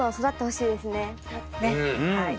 はい。